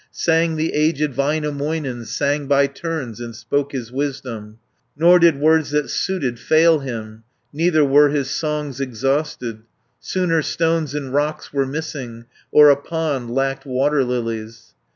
Sang the aged Väinämöinen, Sang by turns, and spoke his wisdom, 370 Nor did words that suited fall him, Neither were his songs exhausted, Sooner stones in rocks were missing, Or a pond lacked water lilies.